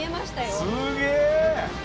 すげえ！